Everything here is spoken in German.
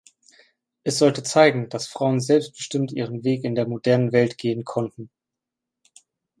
Es sollte zeigen, dass Frauen selbstbestimmt ihren Weg in der modernen Welt gehen konnten.